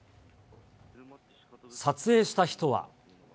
撮影した人は。